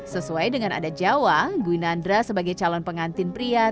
sesuai dengan adat jawa gwinandra sebagai calon pengantin pria